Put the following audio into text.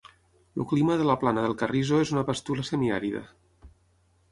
El clima de la Plana del Carrizo és una pastura semiàrida.